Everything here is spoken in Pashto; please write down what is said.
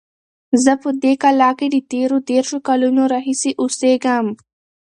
زه په دې کلا کې د تېرو دېرشو کلونو راهیسې اوسیږم.